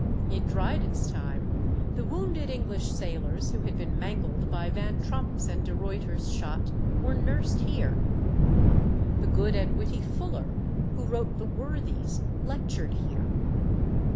In Dryden's time, the wounded English sailors who had been mangled by Van Tromp's and De Ruyter's shot were nursed here. The good and witty Fuller, who wrote the Worthies lectured here.